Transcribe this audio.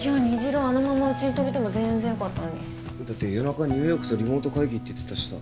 虹朗あのままうちに泊めても全然よかったのにだって夜中ニューヨークとリモート会議って言ってたしさ